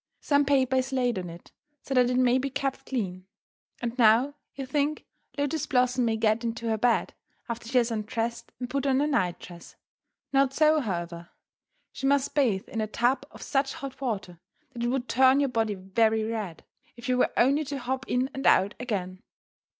Some paper is laid on it so that it may be kept clean. And now, you think, Lotus Blossom may get into her bed after she has undressed and put on her night dress. Not so, however. She must bathe in a tub of such hot water that it would turn your body very red, if you were only to hop in and out again.